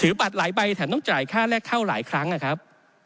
บัตรหลายใบแถมต้องจ่ายค่าแรกเข้าหลายครั้งนะครับ